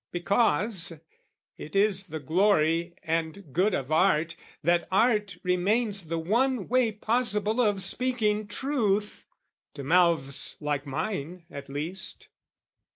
Because, it is the glory and good of Art, That Art remains the one way possible Of speaking truth, to mouths like mine, at least.